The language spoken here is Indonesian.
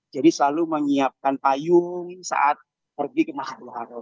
jadi selalu menyiapkan payung saat pergi ke masjid